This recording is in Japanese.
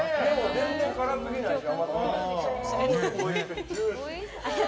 全然からすぎないし。